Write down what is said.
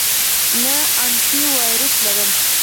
نه، انټی وایرس لرم